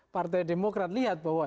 partai demokrat lihat bahwa